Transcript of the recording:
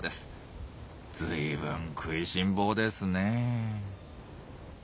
ずいぶん食いしん坊ですねえ。